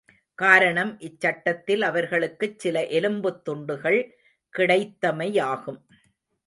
காரணம் இச்சட்டத்தில் அவர்களுக்குச் சில எலும்புத்துண்டுகள் கிடைத்தமையாகும்.